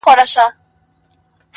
• او ارواښاد سلیمان لایق یې -